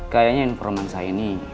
kayaknya informan saya ini